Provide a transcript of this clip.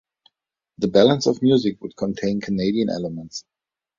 The balance of music would contain Canadian elements.